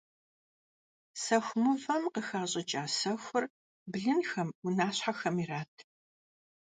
Sexu mıvem khıxaş'ıç'a sexur blınxem, vunaşhexem yirat.